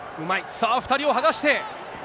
さあ、２人を剥がして。